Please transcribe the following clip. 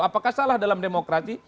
apakah salah dalam demokrasi